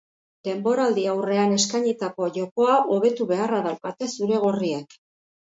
Denboraldiaurrean eskainitako jokoa hobetu beharra daukate zuri-gorriek.